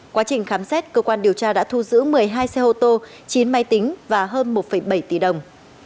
quá trình khám xét cơ quan điều tra đã thu giữ một mươi hai xe ô tô chín máy tính và hơn một bảy tỷ đồng